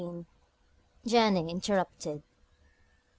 JOURNEY INTERRUPTED.